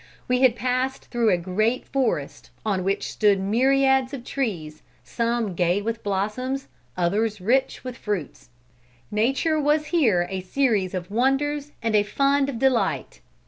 We had passed through a great forest, on which stood myriads of trees, some gay with blossoms, others rich with fruits. Nature was here a series of wonders and a fund of delight.